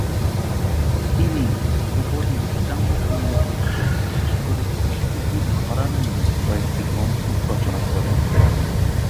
তিনি ধ্রুপদী উচ্চাঙ্গ সঙ্গীতের উপর বিশেষ করে বিষ্ণুপুর ঘরানা নিয়ে কয়েকটি গ্রন্থ রচনা করেন।